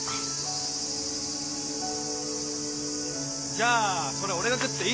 じゃあそれ俺が食っていい？